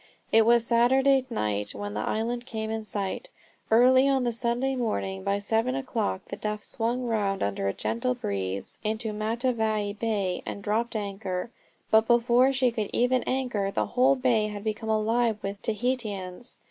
It was Saturday night when the island came in sight. Early on the Sunday morning by seven o'clock The Duff swung round under a gentle breeze into Matavai Bay and dropped anchor. But before she could even anchor the whole bay had become alive with Tahitians.